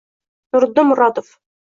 Nuriddin Murodov